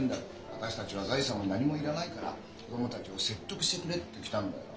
「私たちは財産も何も要らないから子供たちを説得してくれ」って来たんだよ。